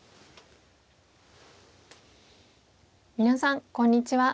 皆さんこんにちは。